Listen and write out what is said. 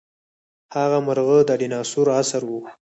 هغه مرغه د ډاینسور عصر وو.